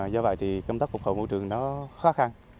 do vậy thì công tác phục hồi môi trường nó khó khăn